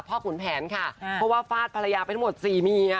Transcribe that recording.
ขุนแผนค่ะเพราะว่าฟาดภรรยาไปทั้งหมดสี่เมีย